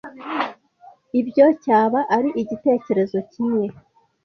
Ibyo cyaba ari igitekerezo kimwe.